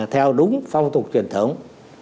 theo đúng phong tục truyền thống